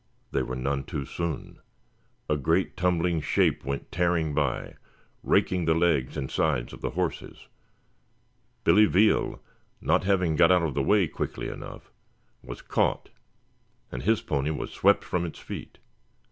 They were none too soon. A great tumbling shape went tearing by, raking the legs and sides of the horses. Billy Veal, not having got out of the way quickly enough, was caught, and his pony was swept from its feet.